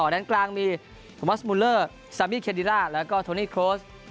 ด้านกลางมีอุมัสมูลเลอร์ซามีเคดิล่าแล้วก็โทนี่โครส